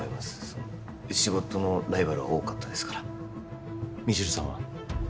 その仕事のライバルは多かったですから未知留さんは？